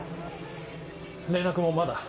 連絡もまだ。